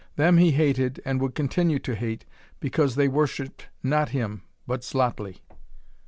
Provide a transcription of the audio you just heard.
Them he hated and would continue to hate because they worshipped not him but Xlotli.